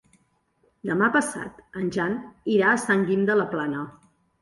Demà passat en Jan irà a Sant Guim de la Plana.